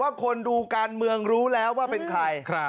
คนดูการเมืองรู้แล้วว่าเป็นใคร